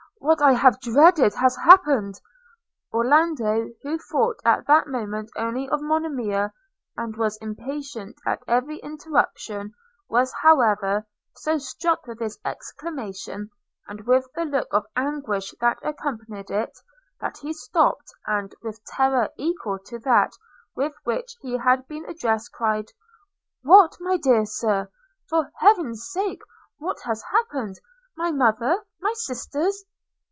what I have dreaded has happened.' – Orlando, who thought at that moment only of Monimia, and was impatient at every interruption, was, however, so struck with this exclamation, and with the look of anguish that accompanied it, that he stopped, and, with terror equal to that with which he had been addressed, cried, 'What, my dear Sir! for Heaven's sake what has happened? My mother, my sisters!'